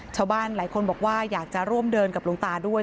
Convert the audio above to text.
ชาวบ้านหลายคนบอกว่าอยากจะร่วมเดินกับหลวงตาด้วย